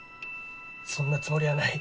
そんなつもりはない。